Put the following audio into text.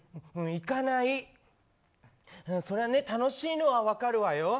そりゃね楽しいのは分かるわよ。